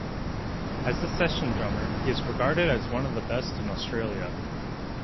As a session drummer, he is regarded as one of the best in Australia.